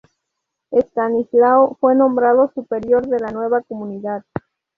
Estanislao fue nombrado superior de la nueva comunidad.